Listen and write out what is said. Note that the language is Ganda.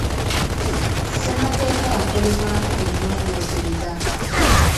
Ssemateeka yakolebwamu ennongoosereza.